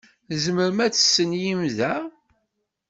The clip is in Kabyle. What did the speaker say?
Tzemrem ad testenyim da?